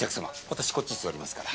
私こっち座りますから。